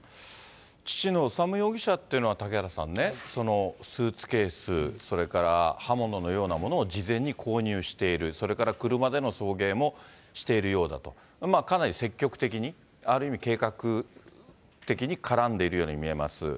父の修容疑者っていうのは、嵩原さんね、そのスーツケース、それから刃物のようなものを事前に購入している、それから車での送迎もしているようだと、かなり積極的に、ある意味、計画的に絡んでいるように見えます。